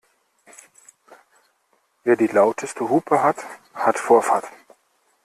Wer die lauteste Hupe hat, hat Vorfahrt.